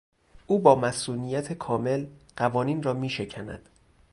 او با مصونیت کامل قوانین را میشکند.